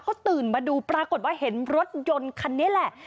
เขาตื่นมาดูปรากฏว่าเห็นรถยนต์คันนี้แหละ